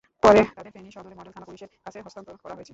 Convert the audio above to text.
পরে তাঁদের ফেনী সদর মডেল থানা পুলিশের কাছে হস্তান্তর করা হয়েছে।